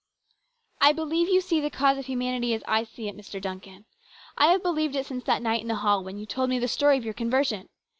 " I believe you see the cause of humanity as I see it, Mr. Duncan. I have believed it since that night in the hall when you told me the story of your conversion.